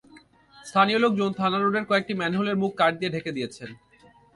স্থানীয় লোকজন থানা রোডের কয়েকটি ম্যানহোলের মুখ কাঠ দিয়ে ঢেকে দিয়েছেন।